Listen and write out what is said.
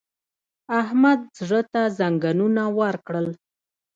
احمد زړه ته زنګنونه ورکړل!